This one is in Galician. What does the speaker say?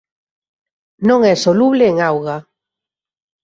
Non é soluble en auga.